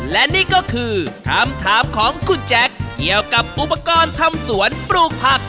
และนี่ก็คือคำถามของคุณแจ๊คเกี่ยวกับอุปกรณ์ทำสวนปลูกผัก